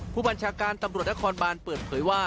ผู้บัญชาการตำรวจนครบานเปิดเผยว่า